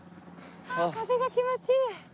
ああ風が気持ちいい。